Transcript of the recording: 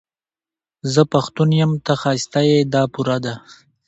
زه پښتون يم، ته ښايسته يې، دا پوره ده